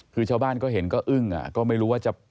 คือชาวบ้านก็เห็นก็อึ้งก็ไม่รู้ว่าจะ